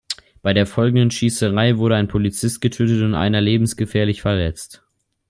Bei der folgenden Schießerei wurde ein Polizist getötet und einer lebensgefährlich verletzt.